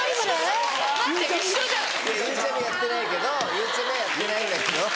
ゆうちゃみやってないけどゆうちゃみやってないんだけど。